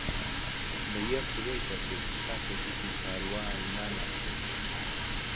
مریەم درۆی دەکرد کاتێک گوتی کاروان ناناسم.